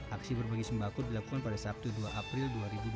aksi berbagi sembako dilakukan pada sabtu dua april dua ribu dua puluh